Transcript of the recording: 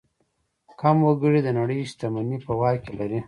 کم وګړي د نړۍ شتمني په واک لري.